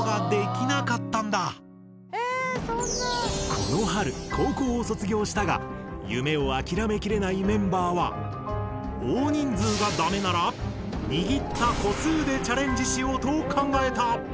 この春高校を卒業したが夢を諦めきれないメンバーは「大人数」がダメなら「握った個数」でチャレンジしようと考えた。